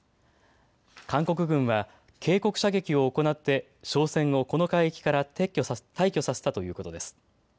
韓国軍は警告射撃を行って商船をこの海域から退去させたということです。